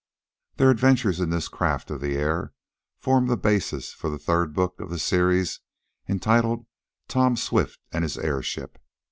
Their adventures in this craft of the air form the basis for the third book of the series, entitled "Tom Swift and His Airship."